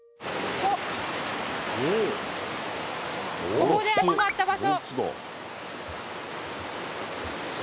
ここで集まった場所。